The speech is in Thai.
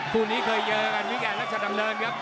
คู่นี้เคยเยอะนะครับมิกแอร์และชะดำเนินครับ